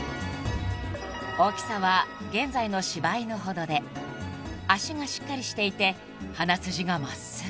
［大きさは現在の柴犬ほどで足がしっかりしていて鼻筋が真っすぐ］